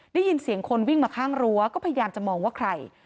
ได้ยินเสียงคนวิ่งมาข้างรั้วก็พยายามจะมองว่าใคร